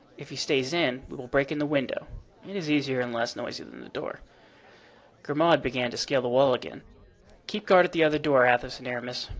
If he stays in we will break in the window. It is easier and less noisy than the door." Grimaud began to scale the wall again. "Keep guard at the other door, Athos and Aramis.